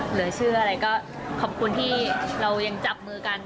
หรือชื่ออะไรก็ขอบคุณที่เรายังจับมือกัน